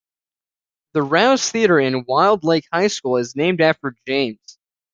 The Rouse Theatre in Wilde Lake High School is named after James.